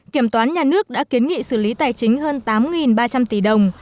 kiểm toán nhà nước đã kiến nghị xử lý tài chính hơn tám ba trăm linh tỷ đồng